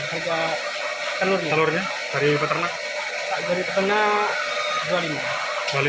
harga telurnya dari peternak dua puluh lima